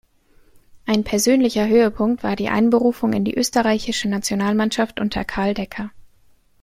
Ein persönlicher Höhepunkt war die Einberufung in die österreichische Nationalmannschaft unter Karl Decker.